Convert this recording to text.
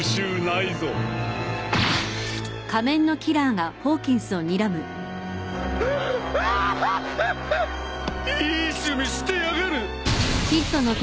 いい趣味してやがる！